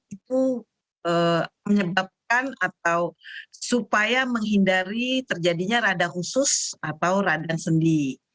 itu menyebabkan atau supaya menghindari terjadinya rada khusus atau radang sendi